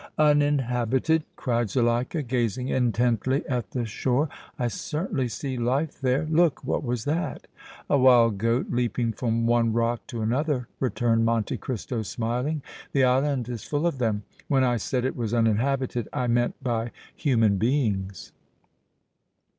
"Uninhabited!" cried Zuleika, gazing intently at the shore. "I certainly see life there! Look! What was that?" "A wild goat leaping from one rock to another," returned Monte Cristo, smiling. "The island is full of them. When I said it was uninhabited I meant by human beings."